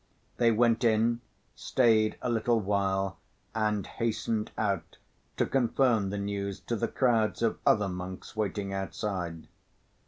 They went in, stayed a little while and hastened out to confirm the news to the crowd of other monks waiting outside.